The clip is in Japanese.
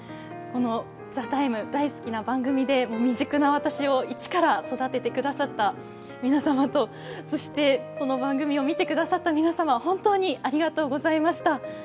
大好きな番組で未熟な私を一から育ててくださった皆様と、そしてその番組を見てくださっ多皆様、本当にありがとうございました。